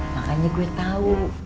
makanya gue tau